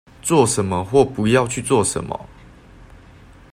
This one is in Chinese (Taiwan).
做什麼或不要去做什麼